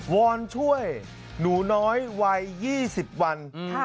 วอนช่วยหนูน้อยวัย๒๐วัน